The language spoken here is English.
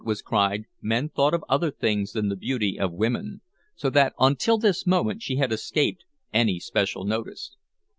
was cried, men thought of other things than the beauty of women; so that until this moment she had escaped any special notice.